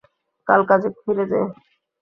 কাল কাজে ফিরে যেও।